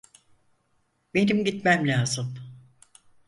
Benim gitmem lazım.